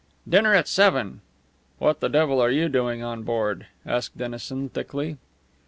"Dinner at seven." "What the devil are you doing on board?" asked Dennison, thickly.